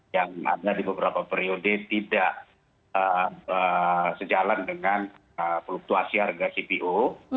yang ada di beberapa periode tidak sejalan dengan fluktuasi harga cpo